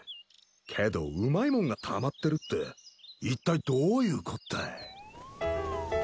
けどうまいもんがたまってるって一体どういうこったい。